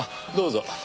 どうぞ。